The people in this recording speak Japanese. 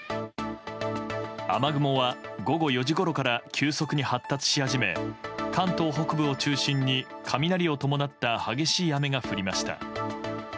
雨雲は午後４時ごろから急速に発達し始め関東北部を中心に雷を伴った激しい雨が降りました。